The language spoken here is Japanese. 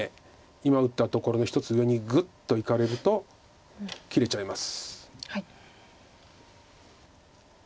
今打ったところの１つ上にグッといかれると切れちゃいます。